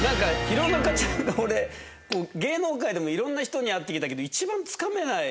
弘中ちゃんが俺芸能界でも色んな人に会ってきたけど一番つかめない。